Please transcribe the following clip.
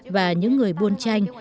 và những người buôn tranh